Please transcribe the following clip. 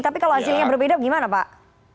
tapi kalau hasilnya berbeda gimana pak